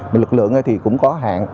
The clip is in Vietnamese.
mà lực lượng thì cũng có hạn